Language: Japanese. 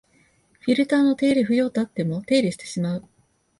フィルターの手入れ不要とあっても手入れしてしまう